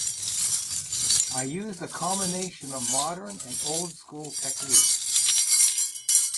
I used a combination of modern and old school techniques.